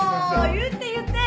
言って言って！